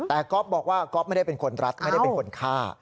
แต่ก๊อฟบอกว่าก๊อฟไม่ได้เป็นคนรัดไม่ได้เป็นคนฆ่า